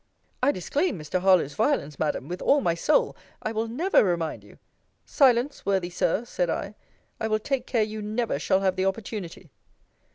I disclaim Mr. Harlowe's violence, Madam, with all my soul. I will never remind you Silence, worthy Sir, said I; I will take care you never shall have the opportunity.